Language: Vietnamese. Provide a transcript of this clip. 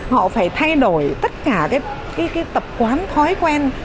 họ phải thay đổi tất cả cái tập quán thói quen